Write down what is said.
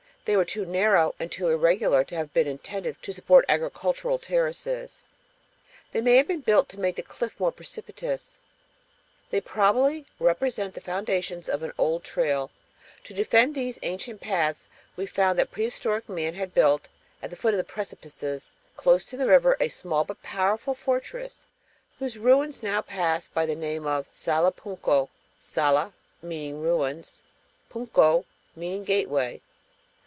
They were too narrow and too irregular to have been intended to support agricultural terraces. They may have been built to make the cliff more precipitous. They probably represent the foundations of an old trail. To defend these ancient paths we found that prehistoric man had built, at the foot of the precipices, close to the river, a small but powerful fortress whose ruins now pass by the name of Salapunco; sala = ruins; punco = gateway.